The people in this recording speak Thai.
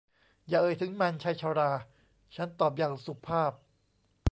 อย่าเอ่ยถึงมัน ชายชรา ฉันตอบอย่างสุภาพ